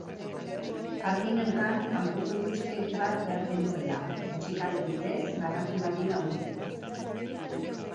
Argi neukan kanpoko ikuspegi bat behar genuela, musikaren bidez narratibari laguntzeko.